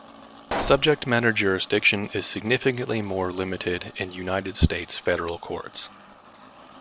Subject-matter jurisdiction is significantly more limited in United States federal courts.